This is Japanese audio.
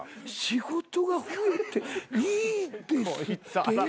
仕事が増えていいですって？